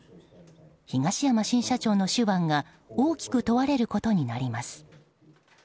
東山新社長の手腕が大きく問われることになります。